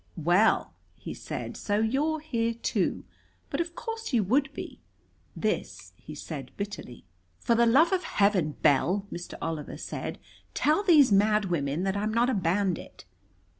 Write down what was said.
"Well!" he said. "So you're here too! But of course you would be." This he said bitterly. "For the love of Heaven, Bell," Mr. Oliver said, "tell those mad women that I'm not a bandit."